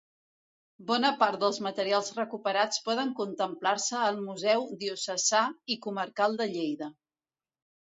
Bona part dels materials recuperats poden contemplar-se al Museu Diocesà i Comarcal de Lleida.